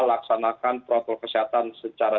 laksanakan protokol kesehatan secara